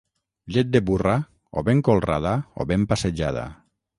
Llet de burra, o ben colrada o ben passejada.